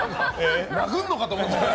殴るのかと思った。